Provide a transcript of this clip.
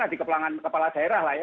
ya pelanggan kepala daerah lah ya